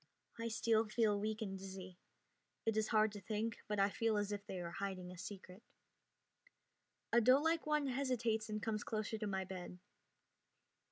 I still feel weak and dizzy. It is hard to think, but I feel as if they are hiding a secret. A doelike one hesitates and comes closer to my bed.